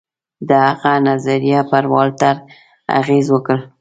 د هغه نظریو پر والټر اغېز وکړ.